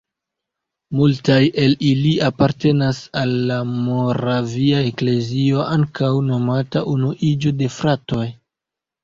Multaj el ili apartenas al la "Moravia Eklezio", ankaŭ nomata Unuiĝo de fratoj.